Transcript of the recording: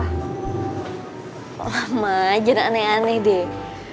lama aja aneh aneh deh